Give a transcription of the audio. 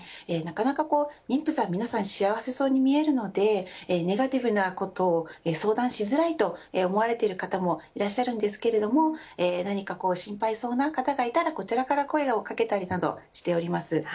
なかなか妊婦さん皆さん幸せそうに見えるのでネガティブなことを相談しづらいと思われている方もいらっしゃいますが何か心配そうな方がいたらこちらから声をかけたりなどしております。